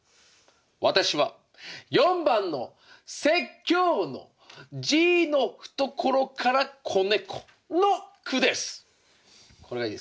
私は４番の「説教の爺のふところから仔猫」の句です。